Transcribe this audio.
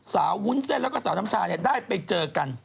สาววุ้นเซ่นแล้วก็สาวน้ำชาเนี่ยได้ไปเจอกัน